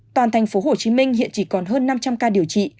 toàn thành phố hồ chí minh hiện chỉ còn hơn năm trăm linh ca điều trị